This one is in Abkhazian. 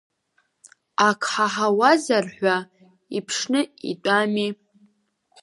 Ак ҳаҳауазар ҳәа, иԥшны итәами.